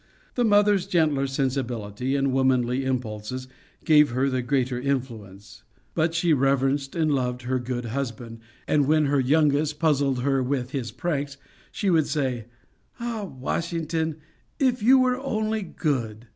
The mother's gentler sensibility and womanly impulses gave her the greater influence; but she reverenced and loved her good husband, and when her youngest puzzled her with his pranks, she would say, "Ah, Washington, if you were only good!"